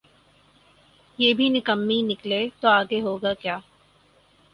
یہ بھی نکمیّ نکلے تو آگے ہوگاکیا؟